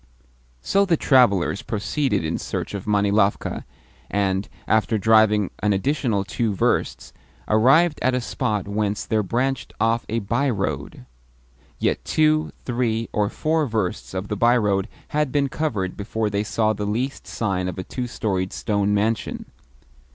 So the travellers proceeded in search of Manilovka, and, after driving an additional two versts, arrived at a spot whence there branched off a by road. Yet two, three, or four versts of the by road had been covered before they saw the least sign of a two storied stone mansion.